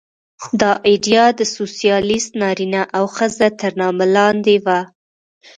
دا ایډیا د سوسیالېست نارینه او ښځه تر نامه لاندې وه